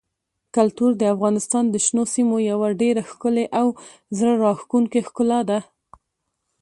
کلتور د افغانستان د شنو سیمو یوه ډېره ښکلې او زړه راښکونکې ښکلا ده.